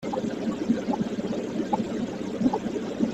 Melmi ara nesɛu taselwayt?